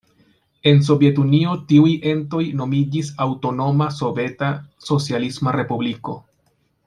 En Sovetunio tiuj entoj nomiĝis aŭtonoma soveta socialisma respubliko.